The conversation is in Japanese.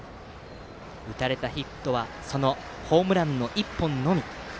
打たれたヒットはホームランの１本のみ。